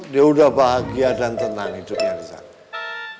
dia sudah bahagia dan tenang hidupnya di sana